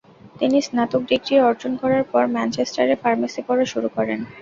তিনি স্নাতক ডিগ্রি অর্জন করার পর ম্যানচেস্টারে ফার্মেসি পড়া শুরু করেন।